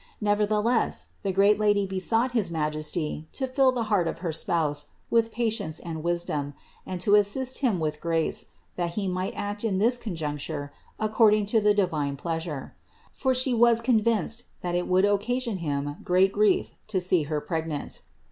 Nevertheless the great Lady besought his Majesty to fill the heart of her THE INCARNATION 253 spouse with patience and wisdom, and to assist him with grace, that he might act in this conjuncture according to the divine pleasure. For She was convinced that it would occasion him great grief to see her pregnant.